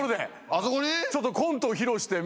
あそこに？